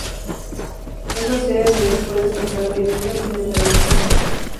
Es la sede de la escuela estatal de minas y metalurgia.